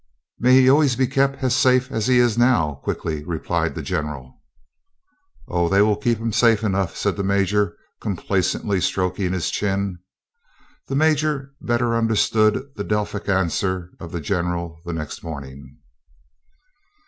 "May he always be kept as safe as he is now," quickly replied the General. "Oh! they will keep him safe enough," said the major, complacently stroking his chin. The major better understood the Delphic answer of the General the next morning.